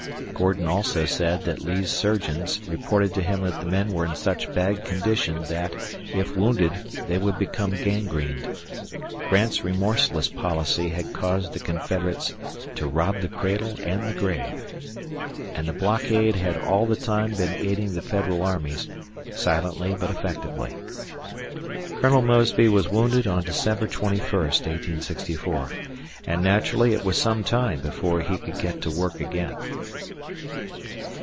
Gordon also said that Lee's surgeons reported to him that the men were in such bad condition that, if wounded, they would become gangrened. Grant's remorseless policy had caused the Confederates "to rob the cradle and the grave." And the blockade had all the time been aiding the Federal armies, silently but effectively. Colonel Mosby was wounded on December 21, 1864, and, naturally, it was some time before he could get to work again.